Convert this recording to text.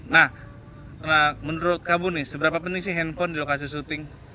nah menurut kamu nih seberapa penting sih handphone di lokasi syuting